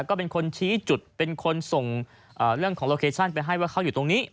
ก็เป็นคนชี้จุดเป็นคนส่งเรื่องของโลเคชั่นไปให้ว่าเขาอยู่ตรงนี้